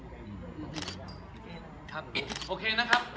ครับโอเคนะครับ